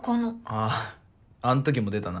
あぁあんときも出たな。